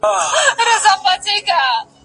زه پرون اوبه پاکوم!.